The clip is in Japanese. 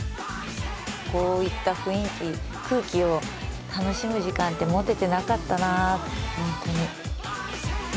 こういった雰囲気空気を楽しむ時間って持ててなかったなホントに。